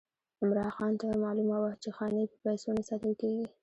عمرا خان ته معلومه وه چې خاني په پیسو نه ساتل کېږي.